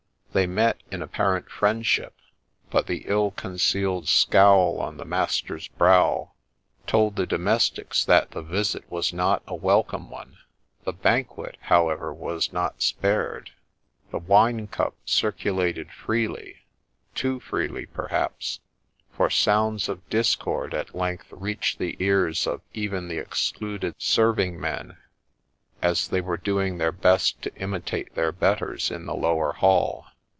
They met in apparent friendship ; but the ill concealed scowl on their master's brow told the domestics that the visit was not a welcome one ; the banquet, however, was not spared ; the wine cup circulated freely, — too freely, perhaps, — for sounds of discord at length reached the ears of even the excluded serving men, as they were doing their best to imitate their betters in the lower hall.